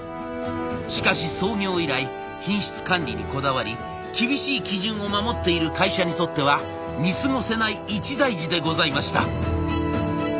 しかし創業以来品質管理にこだわり厳しい基準を守っている会社にとっては見過ごせない一大事でございました。